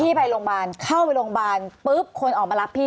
ไปโรงพยาบาลเข้าไปโรงพยาบาลปุ๊บคนออกมารับพี่